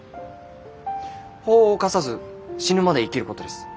法を犯さず死ぬまで生きることです。